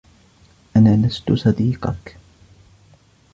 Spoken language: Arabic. أنا لستُ صديقك.